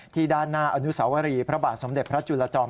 ด้านหน้าอนุสาวรีพระบาทสมเด็จพระจุลจอม